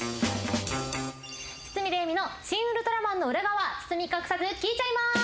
『堤礼実の「シン・ウルトラマン」の裏側つつみ隠さず聞いちゃいます』